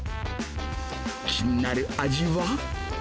気になる味は？